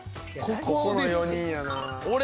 ここの４人やな。